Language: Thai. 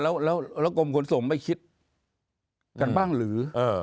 แล้วกรมขนส่งไม่คิดกันบ้างหรือ